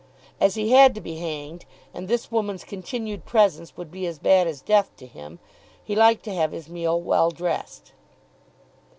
As he had to be hanged, and this woman's continued presence would be as bad as death to him, he liked to have his meal well dressed.